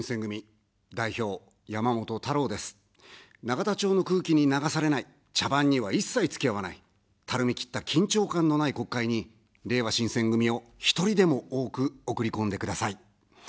永田町の空気に流されない、茶番には一切つきあわない、たるみ切った緊張感のない国会に、れいわ新選組を１人でも多く送り込んでください。